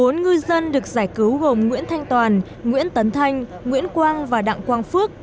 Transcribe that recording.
bốn ngư dân được giải cứu gồm nguyễn thanh toàn nguyễn tấn thanh nguyễn quang và đặng quang phước